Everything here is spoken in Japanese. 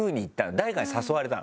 誰かに誘われたの？